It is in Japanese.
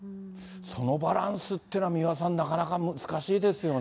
そのバランスってのは、三輪さん、なかなか難しいですよね。